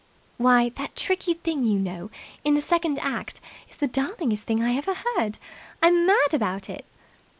"Why, that tricky thing you know, in the second act is the darlingest thing I ever heard. I'm mad about it."